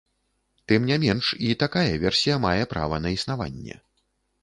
Тым не менш, і такая версія мае права на існаванне.